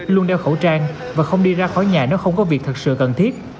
luôn đeo khẩu trang và không đi ra khỏi nhà nếu không có việc thật sự cần thiết